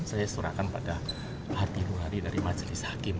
saya serahkan pada hati luari dari majelis hakim